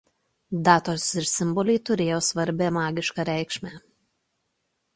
Datos ir simboliai turėjo svarbią magišką reikšmę.